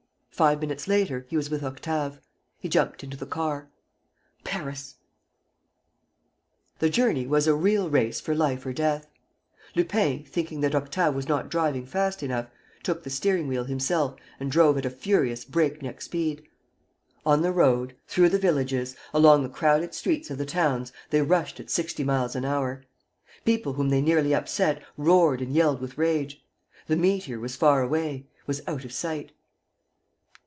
Five minutes later, he was with Octave. He jumped into the car: "Paris!" The journey was a real race for life or death. Lupin, thinking that Octave was not driving fast enough, took the steering wheel himself and drove at a furious, break neck speed. On the road, through the villages, along the crowded streets of the towns they rushed at sixty miles an hour. People whom they nearly upset roared and yelled with rage: the meteor was far away, was out of sight.